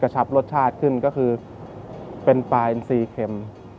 ชับรสชาติขึ้นก็คือเป็นปลาอินซีเข็ม